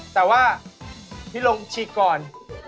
แต่ว่าพี่ลงฉีกก่อน